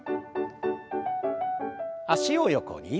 脚を横に。